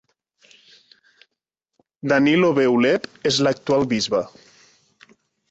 Danilo B Ulep és l'actual bisbe.